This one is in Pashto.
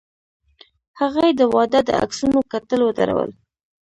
هغې د واده د عکسونو کتل ودرول.